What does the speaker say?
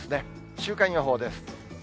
週間予報です。